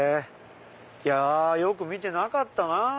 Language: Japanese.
いやよく見てなかったなぁ。